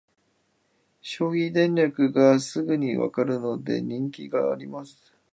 消費電力がすぐにわかるので人気があります